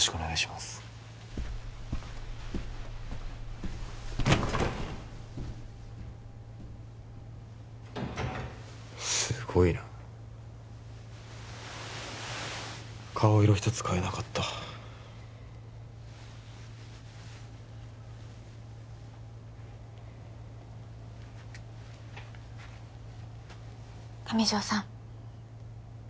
すごいな顔色ひとつ変えなかった上条さん